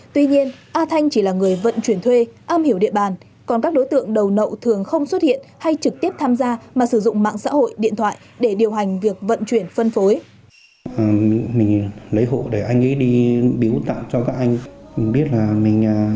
tuy nhiên a thanh chỉ là người vận chuyển thuê am hiểu địa bàn còn các đối tượng đầu nậu thường không xuất hiện hay trực tiếp tham gia mà sử dụng mạng xã hội điện thoại để điều hành việc vận chuyển phân phối